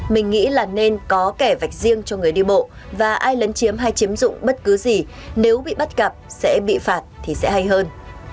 mình nghĩ là nên có kẻ vạch riêng cho người đi bộ và ai lấn chiếm hay chiếm dụng bất cứ gì nếu bị bắt gặp sẽ bị phạt thì sẽ hay hơn